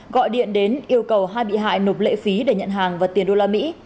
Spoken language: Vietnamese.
gọi điện đến yêu cầu hai bị hại nộp lệ phí để nhận hàng và tiền đô la mỹ